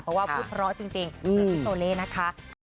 เพราะว่าพูดเพราะจริงกับพี่โชเลนะคะ